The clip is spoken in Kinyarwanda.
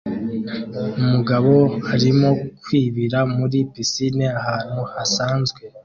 Umugabo arimo kwibira muri pisine ahantu hasanzwe